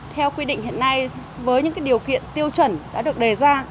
theo quy định hiện nay với những điều kiện tiêu chuẩn đã được đề ra